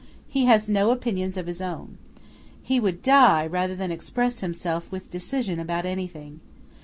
He has no opinions of his own. He would die rather than express himself with decision about anything.